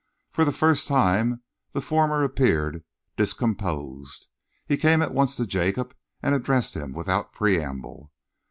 For the first time, the former appeared discomposed. He came at once to Jacob and addressed him without preamble.